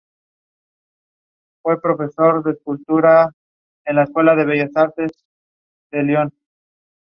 Es utilizado para las peleas de perros.